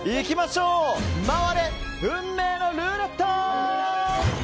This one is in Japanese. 回れ、運命のルーレット！